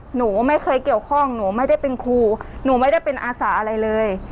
หนูไม่เคยเกี่ยวข้องหนูไม่ได้เป็นครูหนูไม่ได้เป็นอาสาอะไรเลย